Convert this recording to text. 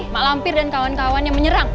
pak lampir dan kawan kawannya menyerang